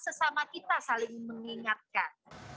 sesama kita saling mengingatkan